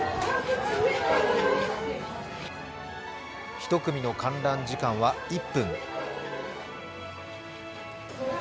１組の観覧時間は１分。